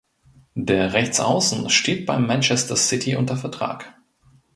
Der Rechtsaußen steht bei Manchester City unter Vertrag.